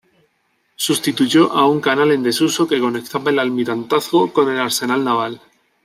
Sustituyó a un canal en desuso que conectaba el Almirantazgo con el Arsenal naval.